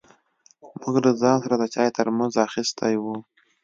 موږ له ځان سره د چای ترموز اخيستی و.